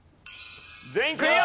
全員クリア！